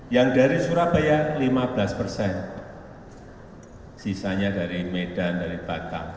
yang dari surabaya lima belas persen sisanya dari medan dari batam